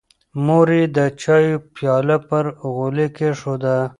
مور یې د چایو پیاله پر غولي کېښوده.